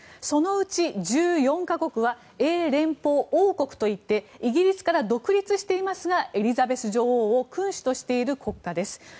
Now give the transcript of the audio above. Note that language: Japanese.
そのうち１４か国は英連邦王国といってイギリスから独立していますがエリザベス女王を君主としている国家です。